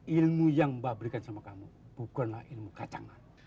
ilmu yang mbak berikan sama kamu bukanlah ilmu kacangan